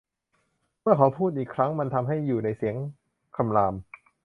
เมื่อเขาพูดอีกครั้ง มันทำให้อยู่ในเสียงคำราม